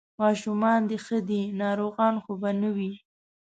ماشومان دې ښه دي، ناروغان خو به نه وي؟